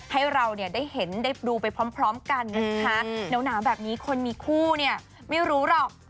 ให้เราเนี่ยได้เห็นได้ดูไปพร้อมกันนะคะหนาวแบบนี้คนมีคู่เนี่ยไม่รู้หรอก